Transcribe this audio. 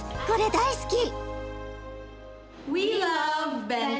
これ大好き！